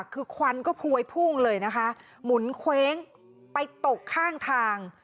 คือควันก็พวยพุ่งเลยนะคะหมุนเคว้งไปตกข้างทาง